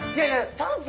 チャーンス！